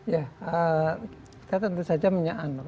ya saya tentu saja menyaan